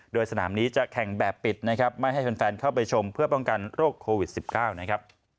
โดยสนามนี้จะแข่งแบบปิดนะครับไม่ให้แฟนเข้าไปชมเพื่อป้องกันโรคโควิด๑๙นะครับ